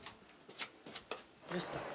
どうした？